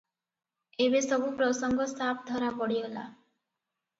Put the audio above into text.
ଏବେ ସବୁ ପ୍ରସଙ୍ଗ ସାଫ ଧରା ପଡିଗଲା ।"